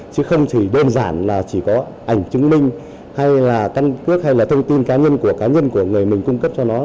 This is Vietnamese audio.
chứ không chỉ đơn giản là chỉ có ảnh chứng minh hay là thông tin cá nhân của cá nhân của người mình cung cấp cho nó